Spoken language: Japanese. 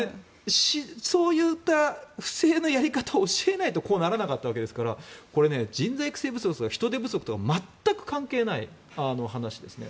そういった不正のやり方を教えないとそうならなかったわけですからこれ、人材育成不足とか人手不足とか全く関係ない話ですね。